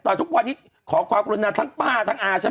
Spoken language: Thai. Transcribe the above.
ตอนนี้ทุกวันนี้ขอความกลงนาธิบายทั้งป้าและอาฉัน